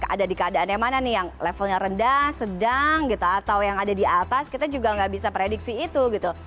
ada di keadaan yang mana nih yang levelnya rendah sedang gitu atau yang ada di atas kita juga nggak bisa prediksi itu gitu